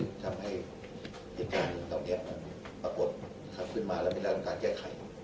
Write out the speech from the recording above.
ทำให้เหตุการณ์ตอนนี้ปรากฏขึ้นมาแล้วไม่ได้ทำการแก้ไข